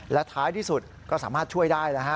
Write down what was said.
และท้ายที่สุดก็สามารถช่วยได้นะฮะ